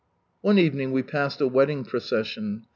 One evening we passed a wedding procession.